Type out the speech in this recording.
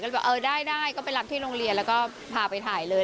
แบบเออได้ก็ไปรับที่โรงเรียนแล้วก็พาไปถ่ายเลย